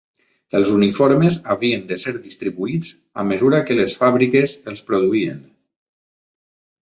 Els uniformes havien de ser distribuïts a mesura que les fàbriques els produïen